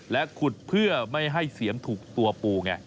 และขุดเพื่อไม่ให้เสียมถูกตัวปูไง